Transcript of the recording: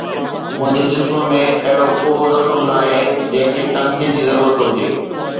منهنجي جسم ۾ اهڙو ڪو زخم ناهي جنهن کي ٽانڪي جي ضرورت هجي